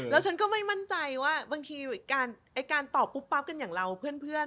แล้วฉันก็ไม่มั่นใจว่าบางทีการตอบปุ๊บปั๊บกันอย่างเราเพื่อน